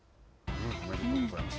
おめでとうございます。